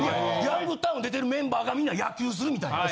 『ヤングタウン』出てるメンバーがみんなで野球するみたいな。